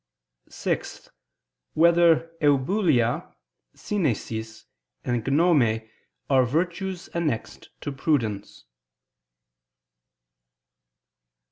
(6) Whether "eubulia," "synesis" and "gnome" are virtues annexed to prudence?